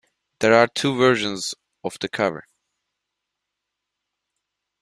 There are two versions of the cover.